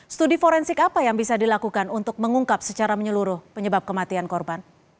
studi forensik apa yang bisa dilakukan untuk mengungkap secara menyeluruh penyebab kematian korban